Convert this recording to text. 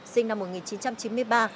sinh năm một nghìn chín trăm chín mươi ba